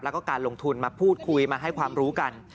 แล้วก็การลงทุนมาพูดคุยมาให้ความรู้กัน